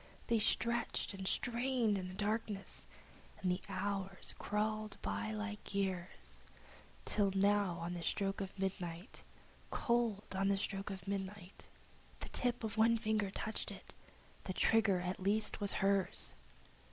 They stretched and strained in the darkness, and the hours crawled by like years, Till, on the stroke of midnight, Cold on the stroke of midnight, The tip of one finger touched it! The trigger at least was hers!